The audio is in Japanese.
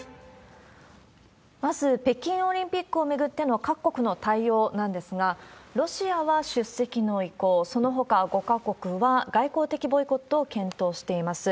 まず、北京オリンピックを巡っての各国の対応なんですが、ロシアは出席の意向、そのほか５か国は外交的ボイコットを検討しています。